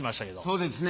そうですね。